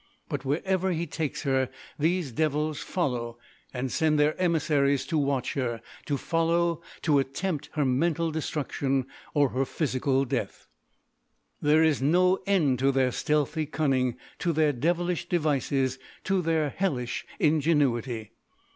But wherever he takes her these devils follow and send their emissaries to watch her, to follow, to attempt her mental destruction or her physical death. "There is no end to their stealthy cunning, to their devilish devices, to their hellish ingenuity!